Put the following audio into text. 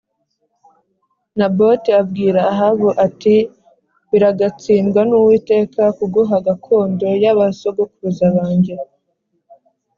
Naboti abwira Ahabu ati “Biragatsindwa n’Uwiteka kuguha gakondo ya ba sogokuruza banjye”